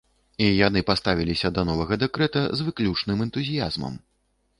І яны паставіліся да новага дэкрэта з выключным энтузіязмам.